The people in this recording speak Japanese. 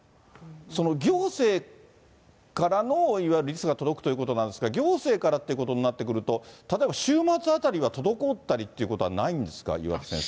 その行政からのいわゆるリストが届くっていうことなんですけど、行政からっていうことになってくると、例えば週末あたりは滞ったりということはないんですか、岩田先生。